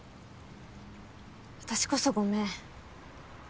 私こそごめん。